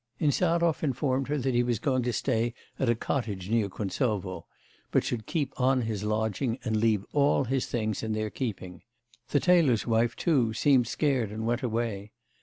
Insarov informed her that he was going to stay at a cottage near Kuntsovo, but should keep on his lodging and leave all his things in their keeping; the tailor's wife too seemed scared and went away.